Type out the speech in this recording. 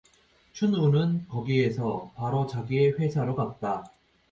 춘우는 거기에서 바로 자기의 회사로 갔다.